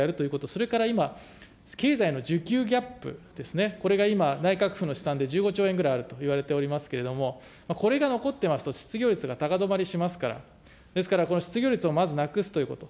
それから今、経済の需給ギャップですね、これが今、内閣府の試算で１５兆円ぐらいあるといわれておりますけれども、これが残ってますと、失業率が高止まりしますから、ですからこの失業率をまずなくすということ。